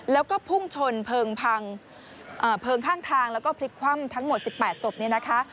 แล้วก็พุ่งชนเพลิงพังเพลิงข้างทางแล้วก็พลิกคว่ำทั้งหมด๑๘ศพเนี่ยนะคะ